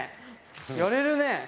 やれるね。